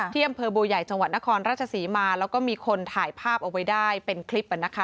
เที่ยมเผอร์โบใหญ่จังหวัดนครราชสีมาแล้วก็มีคนถ่ายภาพเอาไว้ได้เป็นคลิปนะคะ